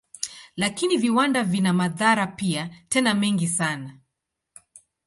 Lakini viwanda vina madhara pia, tena mengi sana.